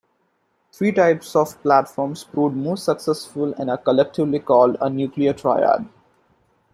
Three types of platforms proved most successful and are collectively called a "nuclear triad".